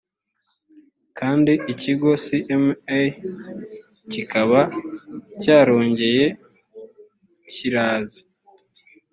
kandi ikigo cma kikaba cyarongeye kiraza